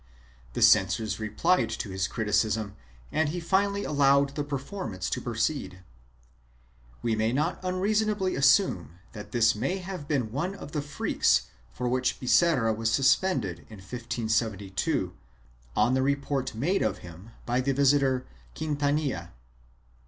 The censors replied to his criticism and he finally allowed the performance to proceed. We may not unreasonably assume that this may have been one of the freaks for which Biserra was suspended in 1572, on the report made of him by the visitor Quintanilla.